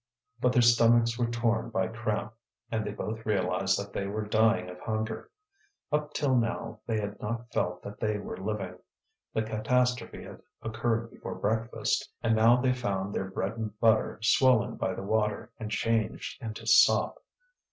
But their stomachs were torn by cramp, and they both realized that they were dying of hunger. Up till now they had not felt that they were living. The catastrophe had occurred before breakfast, and now they found their bread and butter swollen by the water and changed into sop.